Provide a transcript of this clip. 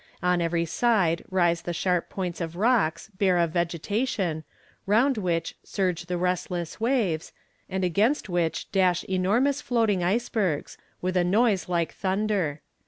On every side rise the sharp points of rocks, bare of vegetation, round which surge the restless waves, and against which dash enormous floating icebergs, with a noise like thunder.